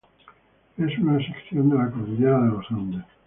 Es una sección de la cordillera de los Andes.